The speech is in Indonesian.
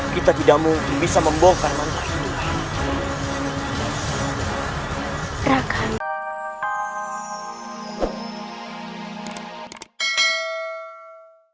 kita tidak mungkin bisa membongkar mantra itu